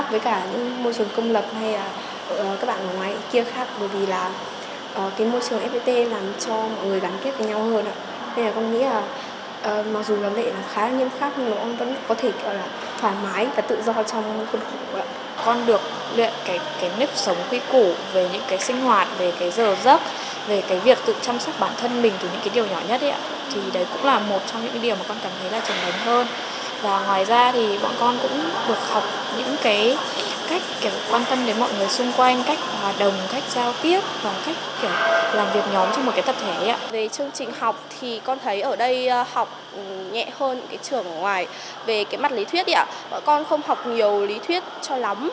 về cái mặt lý thuyết thì bọn con không học nhiều lý thuyết cho lắm